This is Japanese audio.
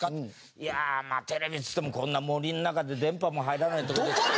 「いやあまあテレビっつってもこんな森の中で電波も入らないとこで」。